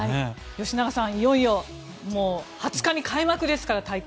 吉永さん、いよいよ２０日開幕ですから。